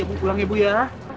ya bu pulang ya bu ya